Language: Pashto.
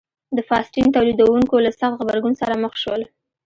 د فاسټین تولیدوونکو له سخت غبرګون سره مخ شول.